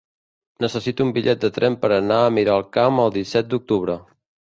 Necessito un bitllet de tren per anar a Miralcamp el disset d'octubre.